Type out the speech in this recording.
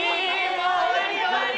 もう終わり終わり！